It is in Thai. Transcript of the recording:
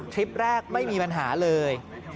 คลิปแรกไม่มีปัญหาเลย